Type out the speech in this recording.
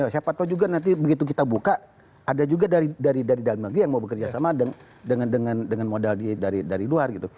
siapa tahu juga nanti begitu kita buka ada juga dari dalam negeri yang mau bekerja sama dengan modal dari luar gitu